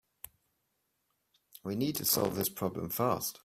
We need to solve this problem fast.